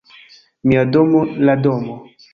Mia domo, la domo.